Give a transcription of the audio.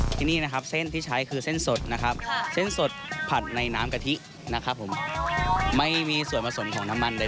ที่นี่นะครับเส้นที่ใช้คือเส้นสดนะครับเส้นสดผัดในน้ำกะทินะครับผมไม่มีส่วนผสมของน้ำมันเลย